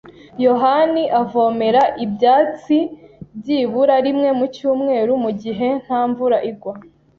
yohani avomera ibyatsi byibura rimwe mu cyumweru mugihe nta mvura igwa.